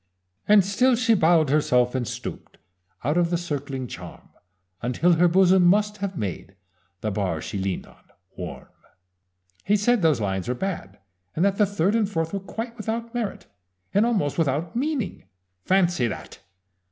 "And still she bowed herself and stooped Out of the circling charm Until her bosom must have made The bar she leaned on warm. He said those lines were bad, and that the third and fourth were quite without merit, and almost without meaning! Fancy that!